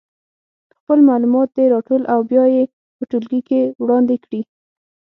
خپل معلومات دې راټول او بیا یې په ټولګي کې وړاندې کړي.